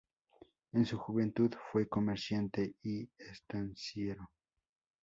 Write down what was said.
En su juventud fue comerciante y estanciero.